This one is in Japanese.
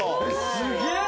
すげえ！